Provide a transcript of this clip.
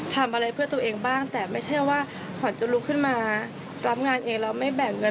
ทำอะไรเพื่อตัวเองบ้างแต่ไม่ใช่ว่าขวัญจะลุกขึ้นมารับงานเองแล้วไม่แบ่งเงิน